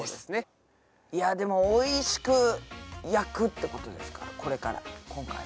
いやでもおいしく焼くってことですからこれから今回は。